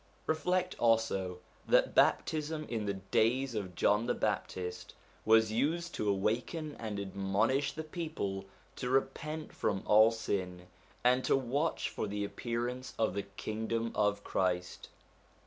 Reflect also, that baptism in the days of John the Baptist was used to awaken and admonish the people to repent from all sin, and to watch for the appearance of the Kingdom of Christ.